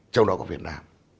trong đó có việt nam